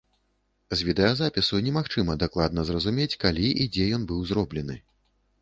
З відэазапісу немагчыма дакладна зразумець, калі і дзе ён быў зроблены.